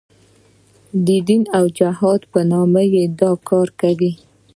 د دین او جهاد په نامه یې دا کار کاوه.